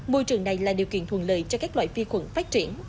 môi trường này là điều kiện thuần lợi cho các loại phi khuẩn phát triển